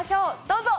どうぞ！